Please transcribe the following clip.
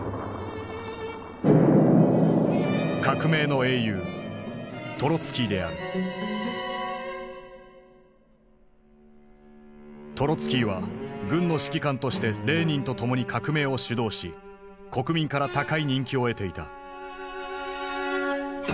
革命の英雄トロツキーは軍の指揮官としてレーニンと共に革命を主導し国民から高い人気を得ていた。